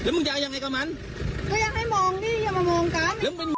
เอาเปล่า